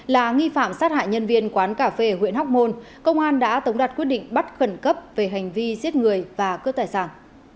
là nghi phạm sát hại nhân viên quán cà phê huyện hóc môn công an đã tống đặt quyết định bắt khẩn cấp về hành vi giết người và cướp tài sản